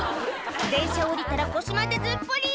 電車降りたら腰までずっぽり！